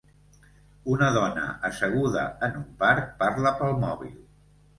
Una dona asseguda en un parc parla pel mòbil.